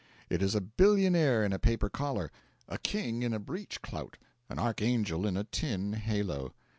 It is a billionaire in a paper collar, a king in a breechclout, an archangel in a tin halo.